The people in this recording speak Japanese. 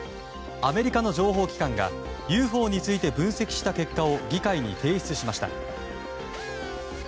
アメリカの情報機関がＵＦＯについて分析した結果を議会に提出しました。